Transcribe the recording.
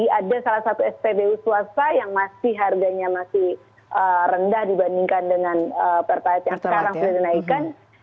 ada salah satu spbu swasta yang masih harganya masih rendah dibandingkan dengan pertite yang sekarang sudah dinaikkan